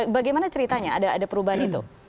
bagaimana ceritanya ada perubahan itu